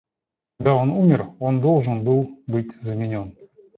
Когда он умер, он должен был быть заменен.